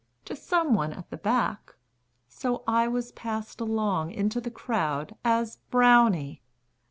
to some one at the back. So I was passed along into the crowd As Brownie!